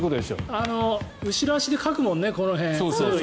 後ろ足でかくもんね、この辺。